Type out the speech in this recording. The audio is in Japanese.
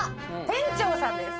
店長さんです。